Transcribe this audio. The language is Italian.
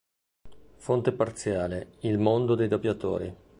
Fonte parziale: Il mondo dei doppiatori